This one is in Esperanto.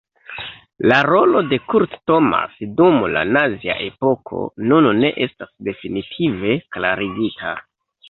La rolo de Kurt Thomas dum la nazia epoko nun ne estas definitive klarigita.